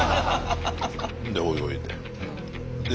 で泳いで。